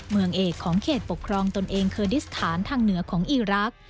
เมืองเอกของเขตปกครองตนเองเคอร์ดิสถานทางเหนือของอีรักษ์